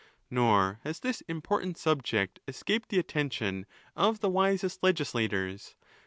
Nor has this im portant subject escaped the attention of the wisest legislators.